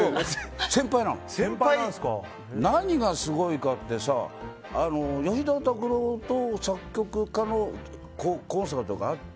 何がすごいかってさ吉田拓郎と作曲家のコンサートがあって。